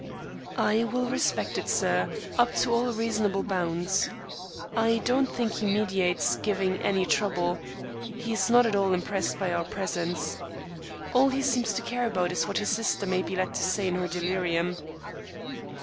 "I will respect it, sir, up to all reasonable bounds. I don't think he meditates giving any trouble. He's not at all impressed by our presence. All he seems to care about is what his sister may be led to say in her delirium."